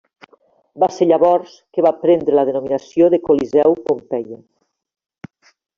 Va ser llavors que va prendre la denominació de Coliseu Pompeia.